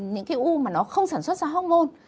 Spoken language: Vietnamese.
những cái u mà nó không sản xuất ra hóc môn